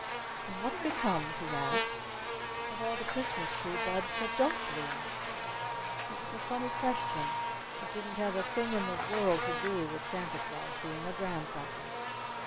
"And what becomes," he asked, "of all the Christmas tree buds that don't bloom?" It was a funny question. It didn't have a thing in the world to do with Santa Claus being a grandfather.